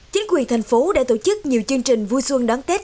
chính quyền thành phố đã tổ chức nhiều chương trình vui xuân đón tết